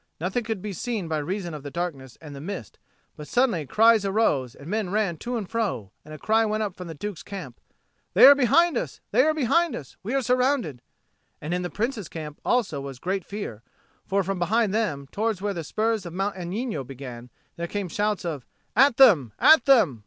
Nothing could be seen by reason of the darkness and the mist; but suddenly cries arose, and men ran to and fro; and a cry went up from the Duke's camp, "They are behind us! They are behind us! We are surrounded!" And in the Prince's camp also was great fear; for from behind them, towards where the spurs of Mount Agnino began, there came shouts of "At them, at them!